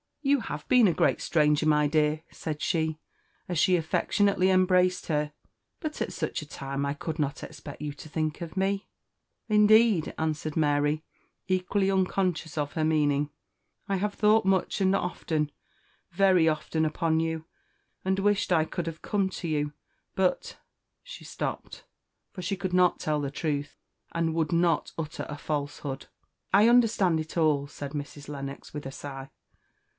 "You have been a great stranger, my dear!" said she, as she affectionately embraced her; "but at such a time I could not expect you to think of me." "Indeed," answered Mary, equally unconscious of her meaning, "I have thought much and often, very often, upon you, and wished I could have come to you; but " she stopped, for she could not tell the truth, and would not utter a falsehood. "I understand it all," said Mrs. Lennox, with a sigh.